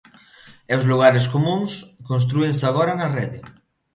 E os lugares comúns constrúense agora na rede.